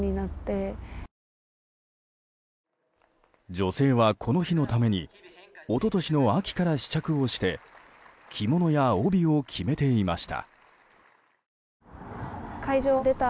女性はこの日のために一昨年の秋から試着をして着物や帯を決めていました。